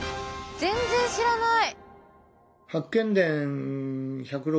全然知らない！